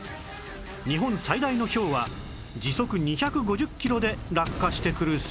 日本最大のひょうは時速２５０キロで落下してくるそうです